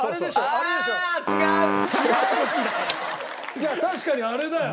いや確かにあれだよ。